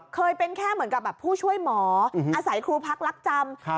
เคยเป็นแค่เหมือนกับแบบผู้ช่วยหมออาศัยครูพักรักจำ